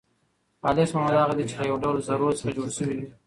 خالص مواد هغه دي چي له يو ډول ذرو څخه جوړ سوي وي.